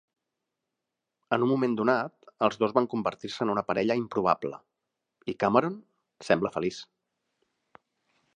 En un moment donat, els dos van convertir-se en una parella improbable, i Cameron sembla feliç.